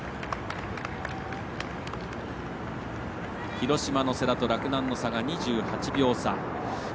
広島の世羅と洛南の差が２８秒差。